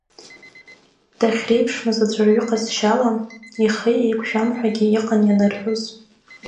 Дахьреиԥшмыз аӡәырҩы ҟазшьала, ихы еиқәшәамҳәагь иҟан ианырҳәоз.